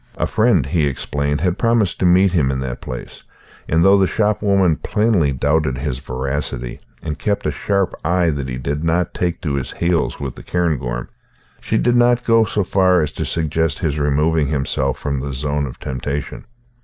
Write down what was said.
A friend, he explained, had promised to meet him in that place; and though the shopwoman plainly doubted his veracity, and kept a sharp eye that he did not take to his heels with the cairngorm, she did not go so far as to suggest his removing himself from the zone of temptation.